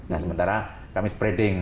nah sementara kami spreading